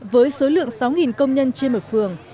với số lượng sáu công nhân trên một phường